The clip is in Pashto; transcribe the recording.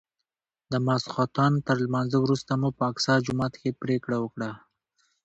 د ماسختن تر لمانځه وروسته مو په اقصی جومات کې پرېکړه وکړه.